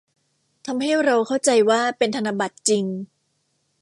ทำให้เราเข้าใจว่าเป็นธนบัตรจริง